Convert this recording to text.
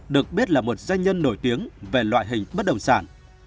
được biết là một doanh nhân nổi tiếng về loại hình bất động sản